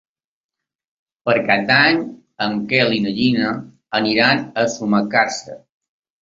Per Cap d'Any en Quel i na Gina aniran a Sumacàrcer.